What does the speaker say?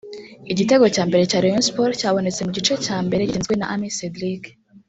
Igitego cya mbere cya Rayon Sport cyabonetse mu gice cya mbere gitsinzwe na Amissi Cedric